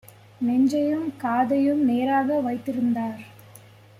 நெஞ்சையும் காதையும் நேராக வைத்திருந்தார்: